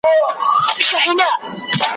او چي مات یې له غمونو سړي یو په یو ورکیږي ,